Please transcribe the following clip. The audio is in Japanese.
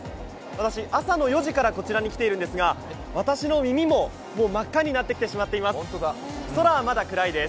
私、朝の４時からこちらに来ているんですが私の耳も、もう真っ赤になってきてしまっています。